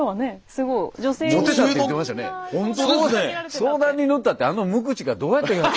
相談に乗ったってあの無口がどうやって。